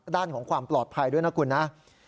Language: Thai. ด้านของความปลอดภัยด้วยนะคุณนะ